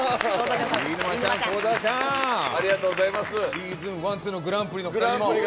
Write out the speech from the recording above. シーズン１、２のグランプリです。